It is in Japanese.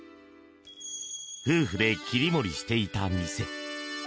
夫婦で切り盛りしていた店。